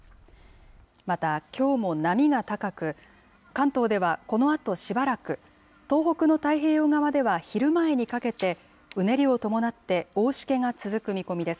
また、きょうも波が高く、関東ではこのあとしばらく、東北の太平洋側では、昼前にかけて、うねりを伴って大しけが続く見込みです。